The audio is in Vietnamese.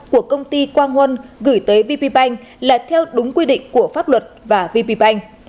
của công ty quang huân gửi tới vp bank là theo đúng quy định của pháp luật và vp bank